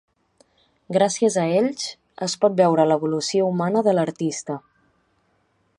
Gràcies a ells, es pot veure l'evolució humana de l'artista.